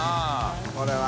これは。